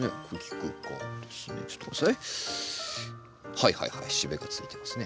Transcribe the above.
はいはいはいしべがついてますね。